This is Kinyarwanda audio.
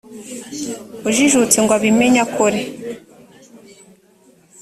ujijutse ngo abimenye akore